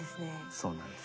そうなんです。